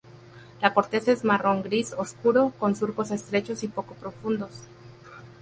La corteza es marrón gris oscuro con surcos estrechos y poco profundos.